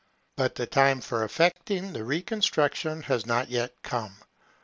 But the time for effecting this reconstruction has not yet come.